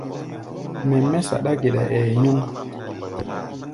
Mɛ mɛ́ saɗá-geɗa, ɛɛ nyɔŋ.